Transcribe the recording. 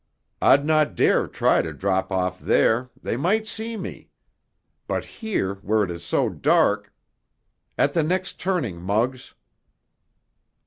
"I'd not dare try to drop off there—they might see me. But here, where it is so dark—— At the next turning, Muggs!"